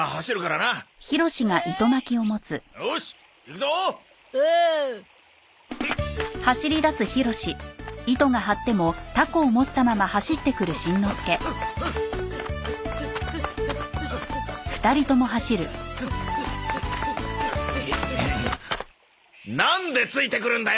なんでついてくるんだよ！？